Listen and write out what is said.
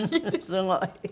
すごい。